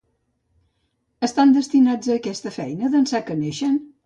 Estan destinats a aquesta feina d'ençà que neixen?